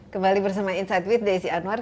kembali bersama inside with daisy anwar